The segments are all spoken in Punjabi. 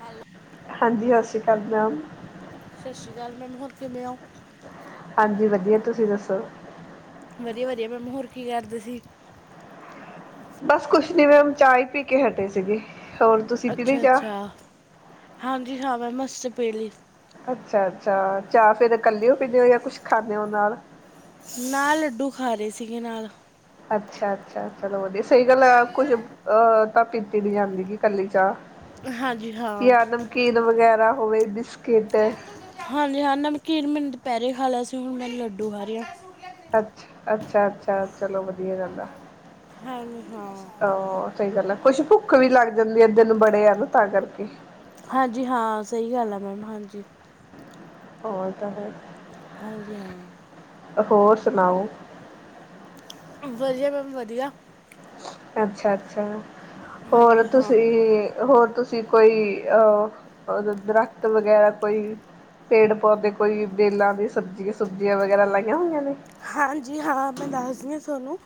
ਹੈਲੋ ਹਾਂਜੀ ਸਤਿ ਸ੍ਰੀ ਅਕਾਲ ਮੈਮ। ਸਤਿ ਸ਼੍ਰੀ ਅਕਾਲ ਮੈਮ ਹੋਰ ਕਿਵੇਂ ਹੋ। ਹਾਂਜੀ ਵਧੀਆ, ਤੁਸੀਂ ਦੱਸੋ। ਵਧੀਆ ਵਧੀਆ ਮੈਮ, ਮੈਂ ਹੋਰ ਕੀ ਕਰਦੇ ਸੀ। ਬਸ ਕੁਛ ਨੀ ਮੈਮ, ਚਾਹ ਹੀ ਪੀ ਕੇ ਹਟੇ ਸੀਗੇ ਹੋਰ ਤੁਸੀਂ ਪੀਲੀ ਅੱਛਾ ਚਾਹ। ਅੱਛਾ ਹਾਂਜੀ ਹਾਂ, ਮੈ ਬੱਸ ਵੇਹਲੀ। ਅੱਛਾ ਅੱਛਾ ਚਾਹਫੇਿਰ ਕੱਲਿਓ ਪੀਂਦੇ ਹੋ, ਜਾਂ ਕੁਛ ਖਾਂਦੇ ਹੋ ਨਾਲ। ਨਾਲ ਲੱਡੂ ਖਾ ਰਹੇ ਸੀਗੇ ਨਾਲ। ਅੱਛਾ ਅੱਛਾ ਚਲੋ ਵਧੀਆ ਸਹੀ ਗੱਲ ਆ ਕੁੱਝ ਤਾਂ ਪੀਤੀ ਨੀ ਜਾਂਦੀ ਗੀ ਕੱਲੀ ਚਾਹ। ਹਾਂਜੀ ਹਾਂ। ਖੀਰ ਵਗੈਰਾ ਹੋਵੇ ਬਿਸਕਿਟ। ਹਾਂਜੀ ਹਾਂ ਨਮਕੀਨ ਮੈਂ ਦੁਪਹਿਰੇ ਖਾ ਲਿਆ ਸੀਗਾ, ਹੁਣ ਮੈਂ ਲੱਡੂ ਖਾ ਰਹੀ। ਅੱਛਾ। ਅੱਛਾ ਅੱਛਾ ਚਲੋ ਵਧੀਆ ਰਹਿੰਦਾ। ਹਾਂਜੀ ਹਾਂ। ਆਹ ਸਹੀ ਗੱਲ ਹੈ, ਕੁੱਛ ਭੁੱਖ ਵੀ ਲੱਗ ਜਾਂਦੀ ਏ ਦਿਨ ਬੜੇ ਆ ਨਾ ਤਾਂ ਕਰਕੇ। ਹਾਂਜੀ ਹਾਂ ਸਹੀ ਗੱਲ ਆ ਮੈਮ ਹਾਂਜੀ। ਹੋਰ ਤਾਂ। ਹਾਂਜੀ ਹਾਂ। ਹੋਰ ਸੁਣਾਓ। ਵਧੀਆ ਮੈਮ ਵਧੀਆ। ਅਛਾ- ਅਛਾ ਹੋਰ ਹਾਂਜੀ ਹਾਂ ਤੁਸੀ। ਹੋਰ ਤੁਸੀ ਕੋਈ ਅ ਦਰਖਤ ਵਗੈਰਾ ਕੋਈ- ਪੇੜ ਪੌਦੇ ਕੋਈ ਵੇਲਾ ਦੀ ਸਬਜੀ ਸੁਬਜ਼ੀਆਂ ਵਗੈਰਾ ਲਾਈਆਂ ਹੋਈਆਂ ਨੇ- ਹਾਂਜੀ ਹਾਂ ਮੈ ਦੱਸਦੀ ਹਾਂ ਤੁਹਾਨੂੰ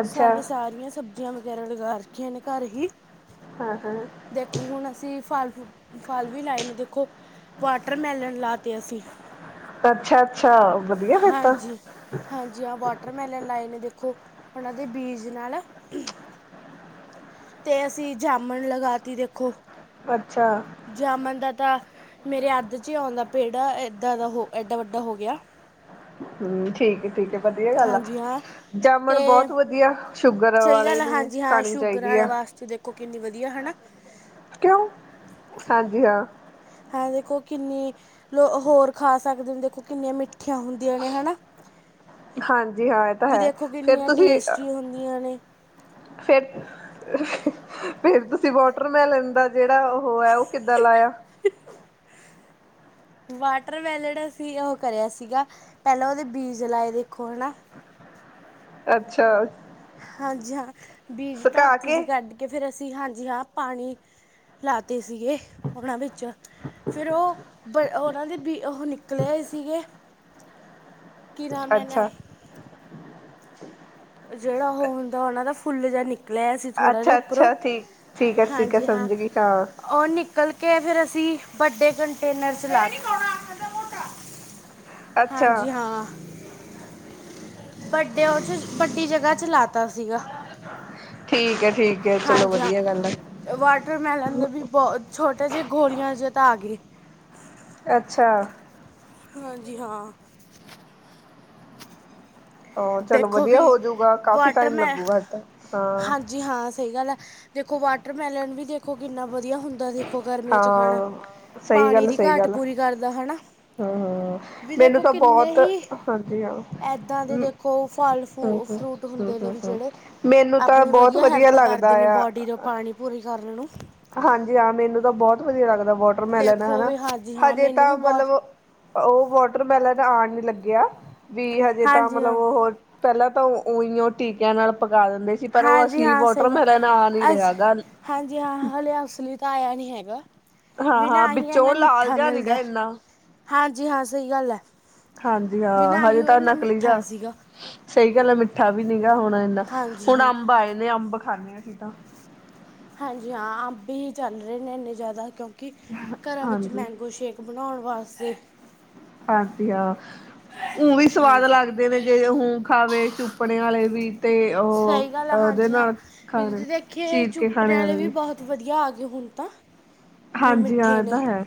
ਅੱਛਾ ਸਾਡੇ ਸਾਰੀਆਂ ਸਬਜੀ - ਈਆਂ ਵਗੈਰਾ ਲਗਾ ਰੱਖੀਆਂ ਨੇ ਘਰ ਹੀ ਹਾਂ ਹਾਂ ਦੇਖੋ ਹੁਣ ਅਸੀਂ ਫਲ ਫੂ ਫਲ ਵੀ ਲਾਏ ਨੇ ਦੇਖੋ ਵਾਟਰਮੈਲਨ ਲਾ ਤੇ ਅਸੀਂ ਅੱਛਾ ਅੱਛਾ ਵਧੀਆ ਫਿਰ ਤਾਂ ਹਾਂਜੀ ਹਾਂਜੀ ਹਾਂ ਵਾਟਰਮੈਲਨ ਲਾਏ ਨੇ ਦੇਖੋ ਉਹਨਾਂ ਦੇ ਬੀਜ ਨਾਲ ਅਤੇ ਅਸੀਂ ਜਾਮਣ ਲਗਾ ਤੇ ਦੇਖੋ ਅੱਛਾ ਜਾਮਣ ਦਾ ਤਾਂ ਮੇਰੇ ਅੱਧ ਚ ਹੀ ਆਉਂਦਾ ਪੇੜ ਇਦਾਂ ਦਾ ਹੋ ਏਡਾ ਵੱਡਾ ਹੋ ਗਿਆ ਹੂੰ ਠੀਕ ਠੀਕ ਹੈ ਵਧੀਆ ਗੱਲ ਆ ਹਾਂਜੀ। ਜੀ ਹਾਂ ਜਾਮਣ ਤੇ ਬਹੁਤ ਵਧੀਆ ਸ਼ੂਗਰ ਸਹੀ ਵਾਲੇ ਗੱਲ ਹੈ ਨੂੰ ਹਾਂਜੀ ਹਾਂ ਖਾਣੀ ਸ਼ੂਗਰ ਚਾਹੀਦੀ ਵਾਲੇ ਆ ਵਾਸਤੇ ਦੇਖੋ ਕਿੰਨੀ ਵਧੀਆ ਹਨਾ ਕਿਉਂ ਹਾਂਜੀ ਹਾਂ ਹੈਂ ਦੇਖੋ ਕਿੰਨੀ ਲੋ ਹੋਰ ਖਾ ਸਕਦੇ ਹੋ ਦੇਖੋ ਕਿੰਨੀਆਂ ਮਿੱਠੀਆਂ ਹੁੰਦੀਆਂ ਹ ਨੇ ਹਨਾ ਹਾਂਜੀ ਹਾਂ ਇਹ ਤਾਂ ਵੀ ਹੈ ਦੇਖੋ ਫਿਰ ਕਿੰਨੀਆਂ ਟੇਸਟੀ ਹੁੰਦੀਆਂ ਨੇ ਫੇਰ ਫੇਰ ਤੁਸੀ ਵਾਟਰਮੈਲਨ ਦਾ ਜਿਹੜਾ ਉਹ ਹੈ। ਉਹ ਕਿੱਦਾਂ ਲਾਇਆ। ਵਾਟਰ ਵੈਲ ਜਿਹੜਾ ਸੀ ਉਹ ਕਰਿਆ ਸੀਗਾ ਪਹਿਲਾਂ ਉਹਦੇ ਬੀਜ ਲਾਏ ਦੇਖੋ ਹੈ। ਨਾ- ਅਛਾ- ਹਾਂਜੀ ਹਾਂ ਬੀਜ ਧਰਤੀ ਕੇ 'ਚ ਕੱਢ ਕੇ ਫੇਰ ਅਸੀ ਹਾਂਜੀ ਹਾਂ ਪਾਣੀ- ਲਾਤੇ ਸੀਗੇ ਉਹਨਾਂ ਵਿਚ- ਫਿਰ ਉਹ ਬ ਉਹਨਾ ਦੇ ਵੀ ਉਹ ਨਿਕਲੇਏ ਸੀਗੇ। ਕੀ ਨਾਮ ਲੈਦੇ ਆਂ। ਅੱਛਾ ਜਿਹੜਾ ਉਹ ਹੁੰਦਾ ਉਹਨਾ ਦਾ ਫੁੱਲ ਜਿਹਾ ਨਿੱ- ਨਿਕਲਿਆ ਸੀ ਥੋੜ੍ਹਾ ਜਿਹਾ ਅੱਛਾ ਉਪਰੋ ਅੱਛਾ ਠੀਕ ਠੀਕ ਹੈ ਠੀਕ ਹੈ ਹਾਂਜੀ ਹਾਂ। ਸਮਝ ਗਈ ਹਾਂ ਉਹ ਨਿਕਲ ਕੇ ਫਿਰ ਅਸੀ ਵੱਡੇ ਕੰਟੇਨਰ ਚ ਲਾ- ਅੱਛਾ ਹਾਂਜੀ ਹਾਂ- ਵੱਡੇ ਉਹ 'ਚ ਵੱਡੀ ਜਗ੍ਹਾ 'ਚ ਲਾਤਾ ਸੀਗਾ। ਠੀਕ ਏ। ਠੀਕ- ਹੈ ਚਲੋ ਹਾਂਜੀ ਵਧੀਆ ਗੱਲ ਹੈ ਹਾਂ ਵਾਟਰਮੈਲਨ ਦੇ ਵੀ ਬਹੁਤ ਛੋਟੇ ਜਿਹੇ ਗੋਲੀਆਂ ਜੇ ਤਾਂ ਆ ਗਏ। ਅਛਾ- ਹਾਂਜੀ ਹਾਂ- ਉਹ ਚਲੋ ਦੇਖੋ ਵੀ ਵਧੀਆ ਹੋਜੂਗਾ ਕਾਫੀ ਟਾਈਮ ਲਗੂਗਾ ਇੱਦ ਹਾਂ- ਜੀ ਹਾਂ ਸਹੀ ਗੱਲ ਹੈ। ਦੇਖੋ ਵਾਟਰਮੈਲਨ ਵੀ ਦੇਖੋ ਕਿਨਾ ਵਧੀਆ ਹੁੰਦਾ। ਦਾ ਦੇਖੋ ਗਰਮੀਆਂ 'ਚ ਖਾਣਾ ਹਾਂ ਸਹੀ ਪਾਣੀ ਗੱਲ ਦੀ ਸਹੀ ਘਾਟ ਗੱਲ ਪੂਰੀ ਕਰਦਾ ਹਨਾ। ਹਮ ਹਮ ਵੀ ਮੈਨੂੰ ਦੇਖੋ ਤਾਂ ਕਿੰਨੇ ਬਹੁਤ ਹੀ ਹਾਂਜੀ ਹਾਂ ਏਦਾਂ ਦੇ ਹਮ ਦੇਖੋ- ਖੋ ਫਲ ਹਮ ਫੂ ਹਮ ਫਰੂਟ ਹਮ ਹੁੰਦੇ ਨੇ ਹਮ ਵੀ ਹਮ ਜਿਹੜੇ ਮੈਨੂੰ ਤਾਂ ਆਪਣੀ ਬਹੁਤ ਵਧੀਆ ਹੈਲਪ ਲੱਗਦਾ ਕਰਦੇ ਨੇ ਆ ਬੋਡੀ- ਜੋ ਪਾਣੀ ਪੂਰੀ ਕਰ ਲੈਣ- ਹਾਂਜੀ ਹਾਂ ਮੈਨੂੰ ਤਾਂ ਬਹੁਤ ਵਧੀਆ ਲੱਗਦਾ ਵਾਟਰਮੈਲਨ ਦੇਖੋ ਹਨਾ ਵੀ ਹਾਂਜੀ ਹਾਂ ਹਜੇ ਮੈਨੂੰ ਵੀ ਤਾਂ ਬਹੁਤ ਮਤਲਬ- ਉਹ ਵਾਟਰਮੈਲਨ ਆਉਣ ਨੀ ਲੱਗਿਆ ਵੀ ਹਜੇ ਤਾਂ ਹਾਂਜੀ ਮਤਲਬ ਹਾਂ ਉਹ- ਪਹਿਲਾਂ ਤਾਂ ਉਹੀਆਂ ਉਹ ਟੀਕਿਆਂ ਨਾਲ ਪਕਾ ਦਿੰਦੇ ਸੀ। ਪਰ ਉਹ ਹਾਂਜੀ ਅਸਲੀ ਹਾਂ ਵੋਟਰ ਸਹੀ ਗੱਲ ਮੈਲਨ ਆ ਨੀ ਅਸ ਰਿਹਾ ਗਾ। ਹਾਂਜੀ ਹਾਂ ਹਲੇੇ, ਉਸ ਲਈ ਤਾਂ ਆਇਆ ਨੀ ਹੈਗਾ। ਹਾਂ ਬ ਹਾਂ ਨਾ ਅਸੀਂ ਇਨਾ ਵਿੱਚੋਂ ਲਾਲ ਮਿੱਠਾ ਜਿਹਾ ਨੀ ਗਾ ਮਿਲਦਾ ਇੰਨਾ ਹਾਂਜੀ ਹਾਂ ਸਹੀ ਗੱਲ ਐ। ਹਾਂਜੀ ਹਾਂ ਹਜੇ ਤਾਂ ਨਕਲੀ, ਮਿੱਠਾ ਜਾ ਸੀਗਾ ਸਹੀ ਗੱਲ ਹੈ ਮਿੱਠਾ ਵੀ ਨੀ ਗਾ ਹੁਣਾ ਇਹ। ਹਾਂਜੀ ਹੁਣ ਹਾਂ ਅੰਬ ਆਏ ਨੇ ਅੰਬ ਖਾਂਦੇ ਅਸੀਂ ਤਾਂ। ਹਾਂਜੀ ਹਾਂ ਅੰਬ ਹੀ ਚੱਲ ਰਹੇ ਨੇ, ਇੰਨੇ ਜ਼ਿਆਦਾ ਕਿਉਂਕਿ ਘਰਾਂ ਵਿੱਚ ਹਾਂਜੀ ਮੈਂਗੋ ਸ਼ੇਕ। ਬਣਾਉਣ ਵਾਸਤੇ। ਹਾਂਜੀ ਹਾਂ ਹਮ ਵੀ ਸਵਾਦ ਹਾਂਜੀ ਲੱਗਦਾ। ਦਿਨੇ ਜੇ ਹੁੰ ਖਾਵੇ ਚੁੱਪਣੇ ਵਾਲੇ ਵੀ। ਤੇ ਉਹ ਸਹੀ ਗੱਲ ਆ ਉਹਦੇ ਹਾਂਜੀ ਹਾਂ ਨਾਲ ਵੀ ਖਾਣੇ ਤੁਸੀਂ ਦੇਖੀਏ ਚੀਰ ਕੇ ਚੁੱਪਣੇ ਖਾਣੇ ਵਾਲੇ ਵੀ। ਬਹੁਤ ਵਧੀਆ ਆ ਗਏ ਹੁਣ ਤਾਂ ਵੀ ਹਾਂਜੀ ਹਾਂ ਮਿੱਠੇ ਇਹ ਨੇ ਤਾਂ ਹੈ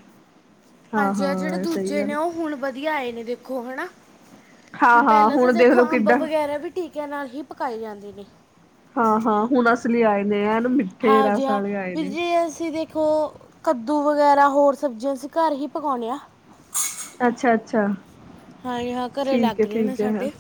ਹਾਂ ਹਾਂਜੀ ਆ ਜਿਹੜੇ ਹਾਂ ਸਹੀ ਦੂਜੇ ਗੱਲ ਨੇ ਉਹ ਹੁਣ ਵੱਧੀਆ ਆਏ ਨੇ ਦੇਖੋ ਹਨਾ ਹਾਂ ਹਾਂ ਪਹਿਲਾਂ ਤਾਂ ਹੁਣ ਦੇਖੋ ਦੇਖਲੋ ਅੰਬ ਕਿੱਡਾ ਵਗੈਰਾ ਵੀ ਟੀਕਿਆਂ ਨਾਲ ਹੀ ਪਕਾਈ ਜਾਂਦੇ ਨੇ ਹਾਂ ਹਾਂ ਹੁਣ ਅਸਲੀ ਆਏ ਨੇ ਹ ਇਹ ਨ ਬੀ ਹਾਂਜੀ ਹਾਂ ਜੇ ਅਸੀ ਦੇਖ ਉਹ ਕੱਦੂ ਵਗੈਰਾ ਹੋਰ ਸਬਜ਼ੀਆਂ ਅਸੀ ਘਰ ਹੀ ਪਕਾਉਣੇ ਆ। ਅਛਾ! ਅਛਾ! ਹਾਂਜੀ ਹਾਂ ਘਰੇ ਲੱਗ ਰਹੇ ਨੇ ਹੈ ਸਾਡੇ।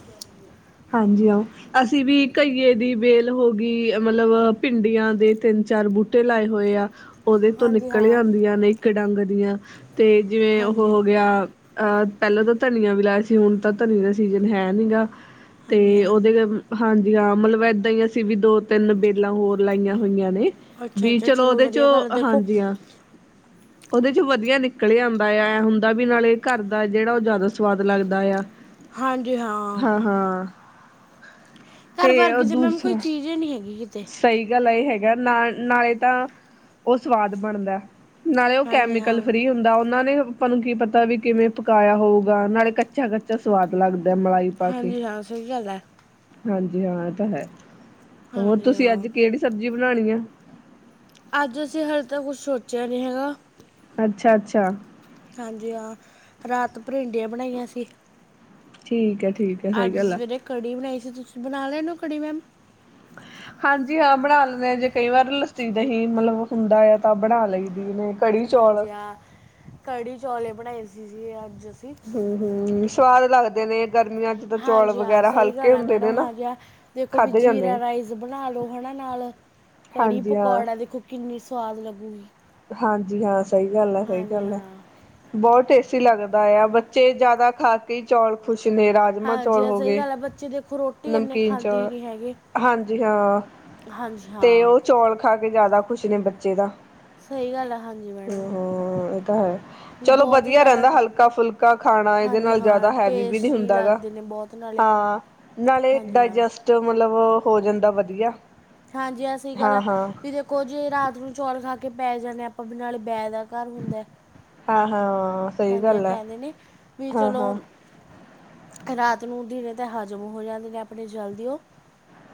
ਹਾਂਜੀ ਆਓ ਅਸੀ ਵੀ ਘਈਏ ਦੀ ਵੇਲ ਹੋ ਗਈ ਮਤਲਬ ਭਿੰਡੀਆਂ ਦੇ ਤਿੰਨ ਚਾਰ ਬੂਟੇ ਤੇ ਲਾਏ ਹੋਏ ਆ। ਉਹਦੇ ਤੋਂ ਹਾਂਜੀ ਨਿਕਲਿਆ ਹਾਂ ਅੰਬੀਆ ਨੇ ਇੱਕ ਡੰਗ ਦੀਆਂ ਤੇ ਜਿਵੇ ਉਹ ਹਾਂਜੀ ਹੋ ਗਿਆ। ਅਹ ਪਹਿਲਾਂ ਤਾਂ ਧਨੀਆ ਵੀ ਲਾਇਆ ਸੀ ਹੁਣ ਤਾਂ ਧਨੀਏ ਦਾ ਸੀਜਨ ਹੈ ਨੀ ਗਾ ਤੇ ਹਾਂਜੀ ਹਾਂ ਉਹਦੇ ਹਾਂਜੀ ਹਾਂ ਮਤਲਬ ਏਦਾਂ ਹੀ ਅਸੀ ਵੀ ਦੋ ਤਿੰਨ ਬੇਲਾਂ ਹੋਰ ਲਾਈਆਂ ਹੋਈਆਂ ਨੇ ਅੱਛਾ ਵੀ ਅੱਛਾ ਚਲੋ ਉਹਦੇ ਵਧੀਆ ਚੋਂ ਗੱਲ ਦੇਖੋ ਹਾਂਜੀ ਹ [inaudible] ਉਹਦੇ ਚ ਵਧੀਆ ਨਿਕਲ ਆਉਂਦਾ ਆ ਹੁੰਦਾ ਵੀ ਨਾਲੇ ਘਰ ਦਾ ਜਿਹੜਾ ਉਹ ਜ਼ਿਆਦਾ ਸਵਾਦ ਲੱਗਦਾ। ਦਾਇਆ। ਹਾਂਜੀ ਹਾਂ। ਹਾਂ। ਤੇ ਘਰ ਉਹ ਵਰਗੀ ਤਾਂ ਮੈਮ ਕੋਈ ਦੂਸਰਾ ਚੀਜ਼ ਹੀ ਨਹੀਂ ਹੈਗੀ ਕਿਤੇ। ਸਹੀ ਗੱਲ ਆ ਇਹ ਹੈਗਾ ਨਾਲ ਨਾਲੇ ਤਾਂ ਉਹ ਸਵਾਦ ਬਣਦਾ। ਨਾਲੇ ਉਹ ਹਾਂਜੀ ਹਾਂ ਕੈਮੀਕਲ ਫਰੀ ਹੁੰਦਾ ਉਹਨਾਂ ਨੇ। ਆਪਾਂ ਨੂੰ ਕੀ ਪਤਾ ਵੀ ਕਿਵੇਂ ਪਕਾਇਆ ਹੋਊਗਾ ਨਾਲੇ ਕੱਚਾ -ਕੱਚਾ ਸਵਾਦ ਲੱਗਦਾ ਮਲਾਈ। ਪਾ ਕੇ ਹਾਂਜੀ ਹਾਂ ਸਹੀ ਗੱਲ ਹੈ। ਹਾਂਜੀ ਹਾਂ ਇਹ ਤਾਂ ਹੈ ਹੋਰ ਹਾਂਜੀ ਤੁਸੀਂ ਹਾਂ ਅੱਜ ਕਿਹੜੀ ਸਬਜ਼ੀ ਬਣਾਉਣੀ ਆ। ਅੱਜ ਅਸੀਂ ਹਲੇੇ ਤਾਂ ਕੁਛ ਸੋਚਿਆ ਨਹੀਂ ਹੈਗਾ। ਅੱਛਾ! ਅੱਛਾ! ਹਾਂਜੀ ਹਾਂ ਰਾਤ ਭਿੰਰਿਡੀਆਂ ਬਣਾਈਆਂ ਸੀ। ਠੀਕ ਹੈ ਠੀਕ। ਹੈ ਸਹੀ ਅੱਜ ਗੱਲ ਆ। ਸਵੇਰੇ ਕੜੀ ਬਣਾਈ ਸੀ, ਤੁਸੀਂ ਬਣਾ ਲੈਣੇ ਕੜੀ ਮੈਮ। ਹਾਂਜੀ ਹਾਂ ਬਣਾ ਲੈਂਦੇ ਹਾਂ, ਜੇ ਕਈ ਵਾਰ ਲੱਸੀ ਦਹੀਂ ਨਹੀਂ ਹੀ ਮਤਲਬ ਹੁੰਦਾ ਆ ਤਾਂ ਬਣਾ ਲਈਦੀ ਨ ਹਾਂਜੀ, ਹ ਕੜੀ ਚੌਲੇ ਬਣਾਏ ਸੀ ਅੱਜ ਅਸੀਂ। ਹ ਹ ਸਵਾਦ ਲੱਗਦੇ ਨੇ ਗਰਮੀਆਂ ਚ। ਤਾਂ ਚੌਲ ਹਾਂਜੀ ਹਾਂ ਵਗੈਰਾ ਸਹੀ ਹਲਕੇ ਗੱਲ ਆ ਹੁੰਦੇ ਨੇ ਮੈਡਮ ਨਾ ਹਾਂਜੀ ਹ ਦੇਖੋ ਵੀ ਖਾਧੇ ਜਾਂਦੇ ਜੀਰਾ ਨੇ। ਰਾਈਸ। ਬਣਾ ਲੋ ਹਨਾ ਨਾਲ ਕੜੀ ਹਾਂਜੀ ਹਾਂ, ਪਕੌੜਾ ਦੇਖੋ ਕਿੰਨੀ ਸਵਾਦ ਲੱਗੂਗੀ। ਹਾਂਜੀ ਹਾਂ ਸਹੀ ਗੱਲ ਹੈ ਸਹੀ ਹਾਂਜੀ ਗੱਲ ਹੈ। ਹਾਂ ਬਹੁਤ ਟੋਸਟੀ ਲੱਗਦਾ ਆ ਬੱਚੇ ਜਿਆਦਾ ਖਾ ਕੇ ਚੌਲ ਖੁਸ਼ ਨੇ ਰਾਜ। ਹਾਂਜੀ ਹਾਂ ਸਹੀ ਗੱਲ ਆ ਬੱਚੇ ਦੇਖੋ ਰੋਟੀ ਇਨੇ ਨਮਕੀਨ ਖਾਂਦੀ ਚੌਲ ਨਹੀਂ ਹੈਗੇ। ਹਾਂਜੀ ਹਾਂ ਹਾਂਜੀ ਹਾਂ। ਤੇ ਉਹ ਚੌਲ ਖਾ ਕੇ ਜ਼ਿਆਦਾ ਖੁਸ਼ ਨੇ ਬੱਚੇ ਤਾ ਸਹੀ ਗੱਲ ਆ ਹਾਂਜੀ ਮੈਡਮ। ਹਮ ਤਾਂ ਹੈ। ਵੀ ਚਲੋ ਬਹੁਤ ਵਧੀਆ ਜ਼ਿਆਦਾ ਰੈਂਦਾ ਟ- ਹਲਕਾ-ਫੁਲਕਾ ਖਾਣਾ ਇਦੇ ਹਾਂਜੀ ਨਾਲ ਹਾਂ ਜ਼ਾਦਾ ਹੈਵੀ ਵੀ ਨੀ ਟੇਸਟੀ ਹੁੰਦਾ ਗਾ ਲੱਗਦੇ ਨੇ ਬਹੁਤ ਨਾਲੇ ਹਾਂ। ਨਾਲੇ ਹਾਂਜੀ ਹਾਂ ਡਾਇਜਸਟ ਮਤਲਬ ਹੋ ਜਾਂਦਾ ਵਧੀਆ। ਹਾਂਜੀ, ਐ ਸਈ ਗੱਲ ਹਾਂ ਐ ਹਾਂ ਵੀ ਜੇ ਕੁਝ ਰਾਤ ਨੂੰ ਚੌਲ ਖਾ ਕੇ ਪੈ ਜਾਂਦੇ ਅ ਆਪਾਂ, ਨਾਲੇ ਬੈ ਦਾ ਕਰ ਹੁੰਦਾ ਐ। ਹਾਂ-ਹਾਂ। ਹਾਂਜੀ, ਆ ਕੈੰਦੇ ਨੇ ਵੀ ਚਲੋ ਕ ਰਾਤ ਨੂੰ ਦਿਨੇ ਤੇ ਹਜ਼ਮ ਹੋ ਜਾਂਦੇ ਨੇ ਆਪਣੇ ਜਲਦੀਓ।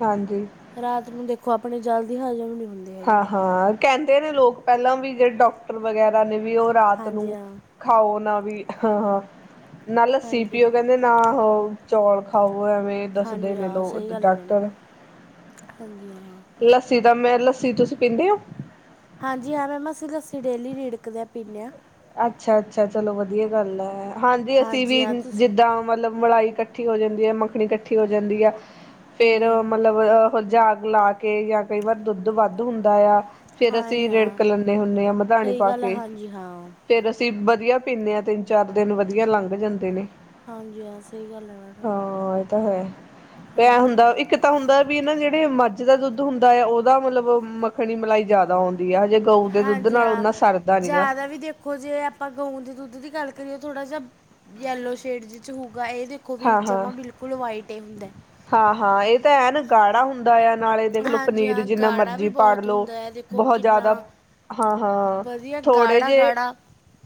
ਹਾਂਜੀ। ਰਾਤ ਨੂੰ ਦੇਖੋ ਆਪਣੇ ਜਲਦੀ ਹਾਜ਼ਮ ਨੀ ਹੁੰ ਹਾਂ-ਹਾਂ, ਕਹਿੰਦੇ ਨੇ ਲੋਕ ਪਹਿਲਾਂ ਵੀ ਜਿਹੜੇ ਡਾਕਟਰ ਵਗੈਰਾ ਨੇ ਵੀ ਉਹ ਰਾਤ ਹਾਂਜੀ ਨੂੰ ਹਾਂ ਖਾਓ ਨਾ ਵੀ ਹਾਂ-ਹਾਂ ਨਾ ਲੱਸੀ ਹਾਂਜੀ ਪੀਓ ਕਹਿੰਦੇ ਨਾ ਹੋ ਚੌਲ ਖਾਓ ਐਵੇਂ, ਦੱਸਦੇ ਹਾਂਜੀ ਨੇ ਹਾਂ ਲੋ ਸਹੀ ਗੱਲ ਹੈ ਮੈਡਮ ਡਾਕਟਰ। ਹਾਂਜੀ ਹਾਂ। ਲੱਸੀ ਦਾ ਮੈਂ ਲੱਸੀ ਤੁਸੀਂ ਪੀਂਦੇ ਹੋ? ਹਾਂਜੀ ਹਾਂ ਮੈਮ ਅਸੀਂ ਲੱਸੀ ਡੇਲੀ ਰਿੜਕਦੇ ਹਾਂ ਪੀਨੇ ਹਾਂ। ਅੱਛਾ-ਅੱਛਾ ਚਲੋ ਵਧੀਆ ਗੱਲ ਹੈ ਹਾਂਜੀ ਅਸੀਂ ਹਾਂ ਵੀ ਤੁਸੀਂ ਜਿੱਦਾ ਮਤਲਬ ਮਲਾਈ ਕੱਠ ਕੱਠੀ ਹੋ ਜਾਂਦੀ ਹੈ ਮੱਖਣੀ ਇਕੱਠੀ ਹੋ ਜਾਂਦੀ ਹੈ ਫੇਰ ਹਾਂਜੀ ਹਾਂ ਮਲਬ ਜਾਗ ਲਾ ਕੇ ਜਾਂ ਕਈ ਵਾਰ ਦੁੱਧ ਵੱਧ ਹੁੰਦਾ ਆ ਫੇਰ ਹਾਂ ਅਸੀਂ ਰਿੜਕ ਲੈਂਦੇ ਹੁੰਦੇ ਹਾਂ ਮਧਾਨੀ ਪਾ ਕੇ। ਜੀ ਹਾਂ। ਫੇਰ ਅਸੀਂ ਵਧੀਆ ਪੀਂਦੇ ਹਾਂ ਤਿੰਨ-ਚਾਰ ਦਿਨ ਵਧੀਆ ਲੰਘ ਜਾਂਦੇ ਨੇ। ਹਾਂਜੀ ਹਾਂ ਸਹੀ ਗੱਲ ਹੈ ਮੈਡਮ। ਏ ਤਾਂ ਹੈ, ਐ ਹਾਂਜੀ ਹੁੰਦਾ ਹਾਂ ਇੱਕ ਤਾਂ ਹੁੰਦਾ ਵੀ ਨਾ ਜੇੜੇ ਮੱਝ ਦਾ ਦੁੱਧ ਹੁੰਦਾ ਹੈ ਓਦਾ ਮਤਲਬ ਮੱਖਣੀ ਮਲਾਈ ਜ਼ਾਦਾ ਆਉਂਦੀ ਹੈ ਹਜੇ ਗਊ ਦੇ ਦੁੱਧ ਹਾਂਜੀ ਨਾਲ ਹਾਂ ਓਨਾ ਸਰਦਾ ਨੀ ਗਾ। ਜ਼ਿਆਦਾ ਵੀ ਦੇਖੋ ਜੇ ਆਪਾਂ ਗਊ ਦੇ ਦੁੱਧ ਦੀ ਗੱਲ ਕਰੀਏ ਥੋੜਾ ਜਾ ਯੈਲੋ ਸ਼ੇਡ ਚ ਹੂਗਾ ਇਹ ਦੇ ਔਵੀ ਜਮਾ ਬਿਲਕੁਲ ਵਾਈਟ ਏ ਹੁੰਦਾ ਐ। ਹਾਂ-ਹਾਂ ਏ ਤਾਂ ਹੈਨ ਗਾੜਾ ਹੁੰਦਾ ਆ ਨਾਲੇ ਦੇਖ ਲੋ ਹਾਂਜੀ ਪਨੀਰ ਹਾਂ ਜਿੰਨਾ ਗਾੜਾ ਮਰਜ਼ੀ ਵੀ ਪਾੜ ਬਹੁਤ ਲੋ ਹੁੰਦਾ ਹੈ ਦੇਖੋ ਬਹੋਤ ਕਿੰਨਾ ਜ਼ਾਦਾ ਹਾਂ ਹਾਂ-ਹਾਂ ਵਧੀਆ ਥੋੜੇ ਗਾੜਾ ਜੇ ਗਾੜਾ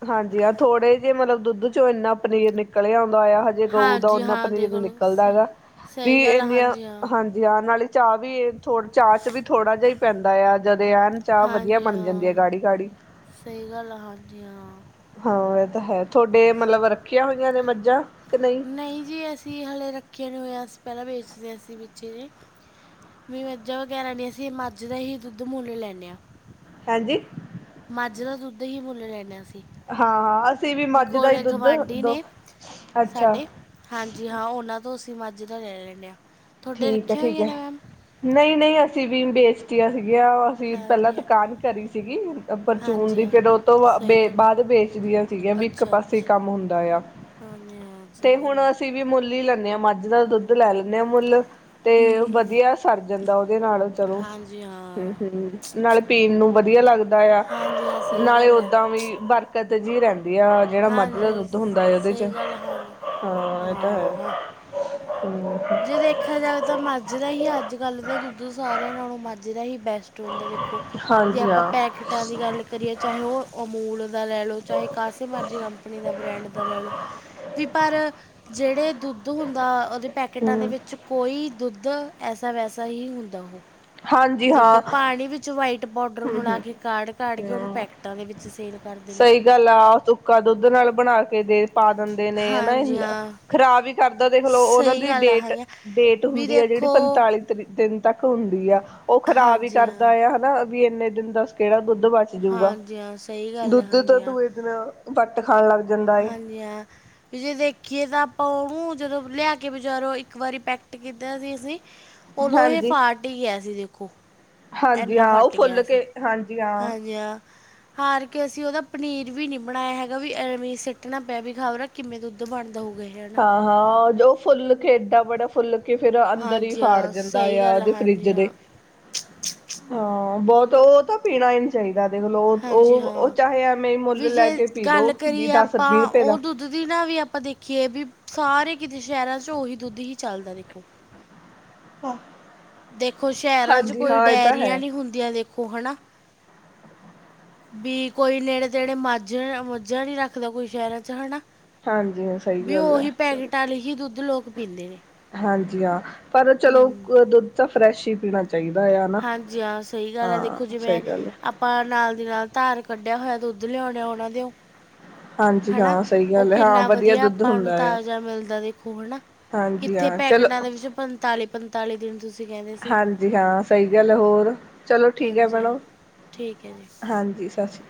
ਹਾਂਜੀ ਹਾਂ ਥੋੜੇ ਜੇ ਮਤਲਬ ਦੁੱਧ ਚੋ ਏਨਾ ਪਨੀਰ ਨਿਕ ਨਿਕਲ ਆਉਂਦਾ ਹੋਇਆ ਹਜੇ ਗਊ ਦਾ ਹਾਂਜੀ ਉੱਨਾਂ ਹਾਂ ਪਨੀਰ ਦੇਖ ਨੀ ਲਓ ਨਿਕਲਦਾ ਸ- ਹੈਗਾ। ਵੀ ਸਹੀ ਗੱਲ ਆ, ਏੱਨੀਆ ਹਾਂਜੀ ਹਾਂ ਹਾਂਜੀ ਹਾਂ ਨਾਲੇ ਚਾਅ ਵੀ ਥੋ ਚਾਅ ਚ ਵੀ ਥੋੜਾ ਜਾ ਈ ਪੈਂਦਾ ਆ ਜਦ ਏ ਐਨ ਚਾਹ ਵਧੀਆ ਹਾਂਜੀ ਬਣ ਜਾਂਦੀ ਹੈ ਹਾਂ, ਗਾੜੀ ਗਾੜੀ ਸਈ ਗੱਲ ਆ, ਹਾਂਜੀ ਹਾਂ। ਹਾਂ, ਐ ਤਾਂ ਹੈ। ਤੁਆਡੇ ਮਤਲਬ ਰੱਖੀਆਂ ਹੋਈਆਂ ਨੇ ਮੱਝਾਂ ਕੇ ਨਈ? ਨਈ ਜੀ, ਅਸੀਂ ਹਲੇੇ ਰੱਖੀ ਨਈ ਹੋਏਆ ਅਸੀ ਪੈਲਾ ਵੇਚਦੇ ਸੀ ਵਿੱਚੇ ਜੇ। ਵੀ ਮੱਝਾਂ ਵਗੈਰਾ ਨੀ ਅਸੀਂ ਮੱਝ ਦਾ ਹੀ ਦੁੱਧ ਮੂੱਲ ਲੈਂਨੇ ਹਾਂ। ਹਾਂਜੀ ਮੱਝ ਦਾ ਦੁੱਧ ਹੀ ਮੁੱਲ ਲੈਂਨੇ ਆ ਅਸੀ। ਹਾਂ-ਹਾਂ, ਅਸੀਂ ਵੀ ਮੱਝ ਦਾ ਈ ਦੁੱਧ ਗਵਾਂਢੀ ਦੋ ਨੇ ਅੱਛਾ। ਸਾਡੇ ਹਾਂਜੀ, ਹਾਂ ਔਨਾਂ ਤੋਂ ਅਸੀਂ ਮੱਝ ਦਾ ਲੈ ਲੈਂਨੇ ਹਾ। ਠੀਕ ਐ-ਠੀਕ ਐ ਨਈ-ਨਈ, ਅਸੀਂ ਵੀ ਨੀ ਵੇਚਤੀਆ ਸੀਗੀਆ ਪਹਲਾਂ ਹਾਂਜੀ ਹਾਂ ਦੁਕਾਨ ਕਰੀ ਸੀਗੀ ਪਰਚੂਨ ਹਾਂਜੀ ਦੀ ਹਾਂ ਫੇਰ ਉਹ ਤੋਂ ਬਾ ਸਹੀ ਬੇ ਗੱਲ ਬਾਦ ਵੇਚਦੀਆ ਤਿਆ ਵੀ ਇੱਕ ਪਾਸੇ ਈ ਕੰਮ ਹੁੰਦਾ ਆ। ਹਾਨੀ ਹਾਂਜੀ। ਤੇ ਹੁਣ ਗੱਲ ਹੈ ਅਸੀਂ ਵੀ ਮੁੱਲ ਈ ਲੈਨੇ ਆ ਮੱਝ ਦਾ ਦੁੱਧ ਲੈ ਲੈਨੇ ਆ ਮੁੱਲ। ਹੂੰ, ਤੇ ਹੂੰ ਵਧੀਆ ਸਰ ਜਾਂਦਾ ਔਦੇ ਨਾਲ ਚਲੋ ਹਾਂਜੀ ਹਾਂ ਹੁੰ-ਹੁੰ। ਨਾਲ ਪੀਣ ਨੂੰ ਵਧੀਆ ਲੱਗਦਾ ਆ, ਹਾਂਜੀ ਹਾਂ ਸਹੀ ਨਾਲੇ ਗੱਲ ਹੈ ਔਦਾਂ ਵੀ ਬਰਕ ਕਟ ਜੀ ਰੈੰਦੀ ਆ। ਜੇੜਾ ਮਝ ਦਾ ਹਾਂਜੀ ਦੁੱਧ ਹੁੰਦਾ ਆ ਉੱਦੇ ਚ ਸਹੀ ਗੱਲ ਹਾਂਜੀ ਹਾ ਇਹ ਤਾ ਹਾਂ ਹੈ। ਹਾਂ ਹੁੰ। ਜੇ ਦੇਖਿਆ ਜਾਵੇ ਤਾਂ ਮੱਝ ਦਾ ਹੀ ਅੱਜ ਕੱਲ ਦਾ ਦੁੱਧ ਸਾਰਿਆਂ ਨਾਲੋਂ ਮੱਝ ਦਾ ਹੀ ਬੈਸ ਟ ਹੁੰਦਾ ਦੇਖੋ ਜੇ ਹਾਂਜੀ ਆਪਾਂ ਹਾਂ ਪੈਕਟਾਂ ਦੀ ਗੱਲ ਕਰੀਏ ਚਾਹੇ ਉਹ ਅਮੂਲ ਦਾ ਲੈ ਲਓ ਚਾਹੇ ਕਾਸੇ ਮਰਜ਼ੀ ਕੰਪਨੀ ਦਾ ਬ੍ਰੈਂਡ ਦਾ ਲੈ ਲਓ। ਵੀ ਪਰ ਜਿਹੜੇ ਦੁੱਧ ਹੁੰਦਾ ਉਹਦੇ ਪੈਕੇਟਾਂ ਦੇ ਹਮ ਵਿੱਚ ਕੋਈ। ਦੁੱਧ ਐਸਾ ਵੈਸਾ ਹੀ ਹੁੰਦਾ ਉਹ। ਹਾਂਜੀ ਵੀ ਦੇਖੋ, ਹਾਂ ਪਾਣੀ ਵਿੱਚ ਵਾਈਟ ਪਾਊਡਰ ਹਮ ਮਿਲਾ ਹਮ ਕੇ, ਕਾੜ-ਕਾੜ ਕੇ ਔਹਨੂੰ ਪੈਕਟਾਂ ਦੇ ਵਿੱਚ ਸੇਲ ਕਰਦੇ ਨੇ। ਦਾ ਲਾ ਸੁੱਕਾ ਦੁੱਧ ਨਾਲ ਬਣਾ ਕੇ ਦੇ। ਪਾ ਦਿੰਦੇ ਨੇ ਹਨਾ, ਹਾਂਜੀ ਹਾਂ ਖ਼ਰਾਬ ਈ ਕਰਦਾ। ਦੇਖਲੋ ਔਨਾਂ ਸਹੀ ਦੀ ਗੱਲ ਆ ਡੇਟ। ਹਾਂਜੀ ਹਾਂ। ਡੇਟ ਵੀ ਹੁੰਦੀ ਆ, ਜਿਹੜੀ ਦੇਖੋ ਪੰਤਾਲੀ ਦਿਨ ਤੱਕ ਹੁੰਦੀ ਆ, ਔ ਖਰਾਬ ਵੀ ਹਾਂਜੀ ਕਰਦਾ ਹਾਂ ਆ ਹਨਾ। ਵੀ ਏਨੇ ਦਿਨ ਦੱਸ ਕਿਹੜਾ ਦੁੱਧ ਬਚ। ਜੂਗਾ, ਹਾਂਜੀ ਹਾਂ ਸਹੀ ਗੱਲ ਹੈ ਦੁੱਧ ਤਾਂ ਹਾਂਜੀ ਹਾਂ ਦੂਏ ਦਿਨ ਵੱਟ ਖਾਣ ਲੱਗ ਜਾਂਦਾ। ਏ ਹਾਂਜੀ, ਹਾਂ। ਵੀ, ਜੇ ਦੇਖੀਏ ਤਾਂ ਆਪਾਂ ਔ ੳਦੋ ਜਦੋਂ ਲਿਆ ਕੇ ਬਜਾਰੋਂ ਇੱਕ ਵਾਰੀ ਪੈਕਟ ਕੀਤਾ ਸੀ ਅਸੀਂ। ਉਦੋਂ, ਇਹ ਹਾਂਜੀ ਫਟ ਹੀ ਗਿਆ ਸੀ, ਦੇਖੋ। ਹਾਂਜੀ, ਹਾਂ, ਉਹ ਫੁੱਲ ਕੇ ਹਾਂਜੀ, ਹਾਂ। ਕਿਆ? ਹਾਰ ਕੇ ਅਸੀਂ ਉਹਦਾ ਪਨੀਰ ਵੀ ਨੀ ਬਣਾਇਆ ਹੈਗਾ, ਵੀ ਐਵੇਂ ਅਸੀ। ਸਿੱਟਣਾ ਪਿਆ ਵੀ ਖਬਰਾ ਕਿਵੇਂ ਦੁੱਧ ਬੰਦ ਹੋ ਗਏ। ਹਾਂ-ਹਾਂ ਉਹ ਫੁੱਲ ਇਡਾ ਬੜਾ ਫੁੱਲ ਕੇ' ਫਿਰ ਅੰਦਰ ਹੀ ਹਾਂਜੀ ਫਾੜ ਹਾਂ ਜਾਂਦਾ ਸਹੀ ਆ ਗੱਲ ਹੈ ਉਹਦੇ ਫਰਿੱਜ ਹਾਂਜੀ ਦੇ ਹਾਂ ਹਾਂ, ਬਹੁਤ ਉਹ ਤਾਂ। ਪੀਣਾ ਹੀ ਨੀ ਚਾਹੀਦਾ ਦੇਖ ਲਓ ਹਾਂਜੀ ਉਹ-ਉਹ ਹਾਂ ਚਾਹੇ ਐਵੇਂ ਮੁੱਲ ਵੀ ਲੈ ਜੇ ਕੇ ਪੀ ਗੱਲ ਲਓ। ਵੀਹ ਕਰੀਏ ਦਸ ਵੀਹ ਆਪਾਂ ਰੁਪਏ ਦਾ ਉਹ ਦੁੱਧ ਦੀ ਨਾਲ ਵੀ ਆਪਾਂ ਦੇਖੀਏ ਵੀ ਸਾਰੇ ਕਿਤੇ ਸ਼ਹਿਰਾਂ ਚ' ਉਹੀ ਦੁੱਧ ਹੀ ਚੱਲਦਾ ਦੇਖੋ। ਹਾਂ। ਦੇਖੋ ਸ਼ਹਿਰਾਂ ਚ' ਹਾਂਜੀ ਕੋਈ ਇਹ ਤਾਂ ਹੈ ਡੇਅਰੀਆਂ ਨੀ ਹੁੰਦੀਆਂ ਦੇਖੋ ਹੈਨਾ। ਵੀ ਕੋਈ ਨੇੜੇ ਤੇੜੇ ਮੱਝ, ਮੱਝਾਂ ਨਹੀਂ ਰੱਖਦਾ ਕੋਈ ਸ਼ਹਿਰਾਂ ਚ' ਹਨਾ। ਹਾਂਜੀ ਹਾਂ ਸਹੀ ਵੀ ਗੱਲ ਹੈ ਉਹੀ ਚਲੋ ਪੈਕੇਟ ਵਾਲੇ ਹੀ ਦੁੱਧ ਲੋਕ ਪੀਂਦੇ ਨੇ। ਹਾਂਜੀ, ਹਾਂ ਪਰ ਚਲੋ ਹੂੰ ਦੁੱਧ ਤਾਂ ਫਰੈਸ਼ ਹੀ ਪੀਣਾ। ਚਾਹੀਦਾ ਆ ਨਾ ਹਾਂਜੀ ਹਾਂ ਸਹੀ ਗੱਲ ਹੈ ਹਾਂ ਦੇਖੋ ਜਿਵੇਂ ਸਹੀ ਗੱਲ ਹੈ। ਆਪਾਂ ਨਾਲ ਦੀ ਨਾਲ ਧਾਰ ਕੱਢਿਆ ਹੋਇਆ ਦੁੱਧ ਲਿਆਉਨੇ ਆ ਉਹਨਾਂ ਦਿਓ। ਹਾਂਜੀ ਹਨਾ ਹਾਂ ਸਹੀ ਉਹ ਗੱਲ ਹੈ ਹਾਂ ਕਿੰਨਾ ਵਧੀਆ ਦੁੱਧ ਆਪਾਂ ਨੂੰ ਹੁੰਦਾ ਆ ਤਾਜ਼ਾ ਮਿਲਦਾ ਦੇਖੋ ਹਨਾ। ਹਾਂਜੀ ਕਿੱਥੇ ਹਾਂ ਚਲੋ ਪੈਕਟਾਂ ਦੇ ਵਿੱਚ ਪੰਤਾਲੀ-ਪੰਤਾਲੀ ਦਿਨ ਤੁਸੀਂ। ਕਹਿੰਦੇ ਸੀ ਹਾਂਜੀ, ਹਾਂ ਸਹੀ ਗੱਲ ਹੋਰ ਚਲੋ ਠੀਕ ਹੈ ਹਾਂਜੀ ਹਾਂ ਮੈਡਮ। ਠੀਕ ਹੈ ਜੀ ਹਾਂਜੀ, ਸਤਿ ਸ਼੍ਰੀ ਅਕਾਲ।